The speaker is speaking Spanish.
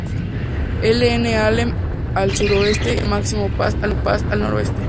L. N. Alem" al sudoeste y la calle "Máximo Paz" al noroeste.